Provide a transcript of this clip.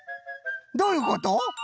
どういうこと？